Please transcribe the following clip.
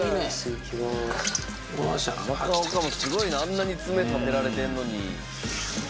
中岡もすごいなあんなに爪立てられてんのに。